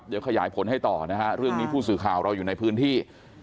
เดี๋ยวขยายผลให้ต่อนะฮะเรื่องนี้ผู้สื่อข่าวเราอยู่ในพื้นที่